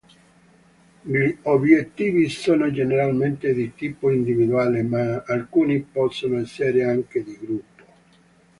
Gli obiettivi sono generalmente di tipo individuale, ma alcuni possono essere anche di gruppo.